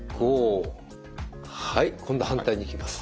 はい今度反対にいきます。